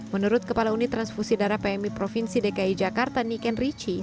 menurut kepala unit transfusi darah pmi provinsi dki jakarta niken richi